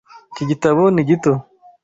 Iki gitabo ni gito.